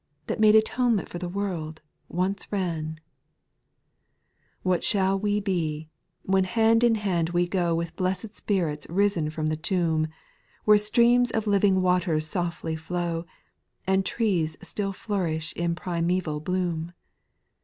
That made atonement for the world, once ran I 6. AVhat shall we be, when hand in hand we go With blessed spirits risen from the tomb, "Where streams of living waters softly flow. And trees still flourish in primeval bloom